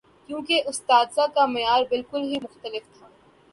کیونکہ اساتذہ کا معیار بالکل ہی مختلف تھا۔